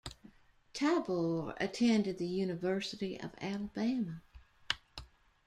Tabor attended the University of Alabama.